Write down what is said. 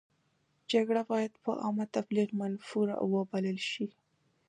جګړه باید په عامه تبلیغ منفوره وبلل شي.